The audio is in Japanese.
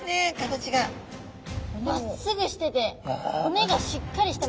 まっすぐしてて骨がしっかりしてますね。